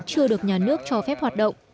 chưa được nhà nước cho phép hoạt động